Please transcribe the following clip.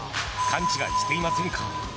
勘違いしていませんか？